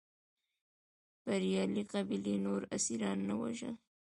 بریالۍ قبیلې نور اسیران نه وژل.